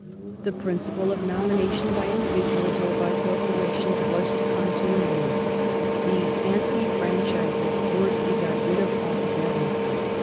The principle of nomination by individuals or by corporations was to come to an end. The "fancy franchises" were to be got rid of altogether.